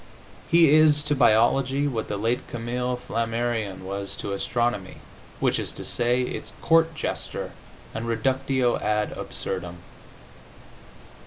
He is to biology what the late Camille Flammarion was to astronomy, which is to say, its court jester and reductio ad absurdum.